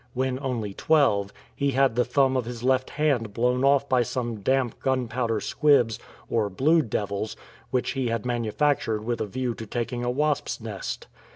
When only twelve, he had the thumb of his left hand blown off by some damp gimpowder squibs or " blue devils," which he had manufactured with a view to taking a wasp's nest.